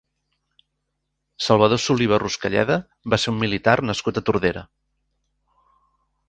Salvador Soliva Ruscalleda va ser un militar nascut a Tordera.